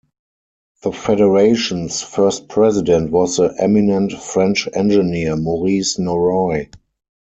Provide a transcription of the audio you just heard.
The federation's first president was the eminent French engineer, Maurice Norroy.